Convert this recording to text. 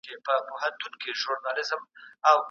نجلۍ د اوبو ډک لوښی راوړ.